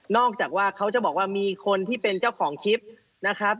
จากว่าเขาจะบอกว่ามีคนที่เป็นเจ้าของคลิปนะครับ